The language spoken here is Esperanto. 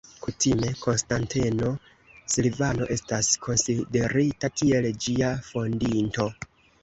Kutime Konstanteno Silvano estas konsiderita kiel ĝia fondinto.